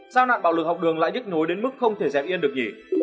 sao nạn bạo lực học đường lại nhức nối đến mức không thể dẹp yên được nhỉ